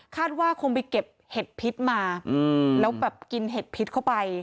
ว่าคงไปเก็บเห็ดพิษมาแล้วแบบกินเห็ดพิษเข้าไป